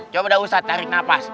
coba dah ustaz tarik nafas